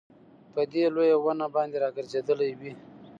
په دې لويه ونه باندي راګرځېدلې وې